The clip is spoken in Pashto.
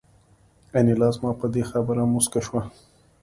انیلا زما په دې خبره موسکه شوه